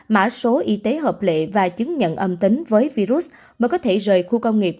mã số y tế hợp lệ và chứng nhận âm tính với virus mới có thể rời khu công nghiệp